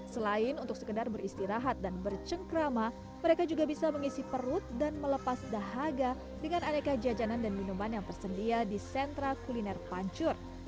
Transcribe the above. selain untuk sekedar beristirahat dan bercengkrama mereka juga bisa mengisi perut dan melepas dahaga dengan aneka jajanan dan minuman yang tersedia di sentra kuliner pancur